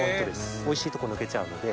おいしいとこ抜けちゃうので。